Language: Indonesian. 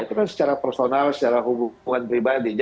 itu kan secara personal secara hubungan pribadi